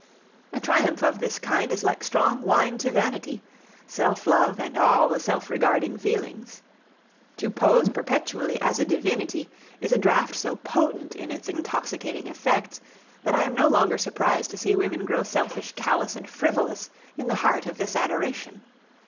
A triumph of this kind is like strong wine to vanity, self love, and all the self regarding feelings. To pose perpetually as a divinity is a draught so potent in its intoxicating effects, that I am no longer surprised to see women grow selfish, callous, and frivolous in the heart of this adoration.